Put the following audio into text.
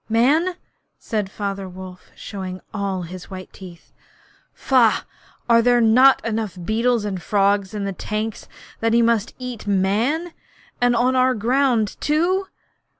'Man!' said Father Wolf, showing all his white teeth. 'Faugh! Are there not enough beetles and frogs in the tanks that he must eat Man, and on our ground too!'